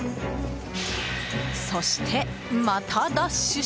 そして、またダッシュし。